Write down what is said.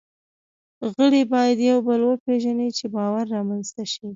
غړي باید یو بل وپېژني، چې باور رامنځ ته شي.